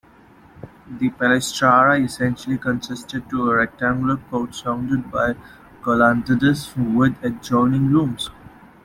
The palaestra essentially consisted of a rectangular court surrounded by colonnades with adjoining rooms.